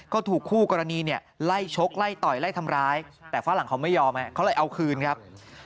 ก็ถูกคู่กรณีเนี่ยไล่ชกไล่ต่อยไล่ทำร้ายแต่ฝรั่งเขาไม่ยอมเขาเลยเอาคืนครับ